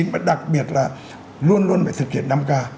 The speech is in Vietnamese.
và đặc biệt là luôn luôn phải thực hiện năm k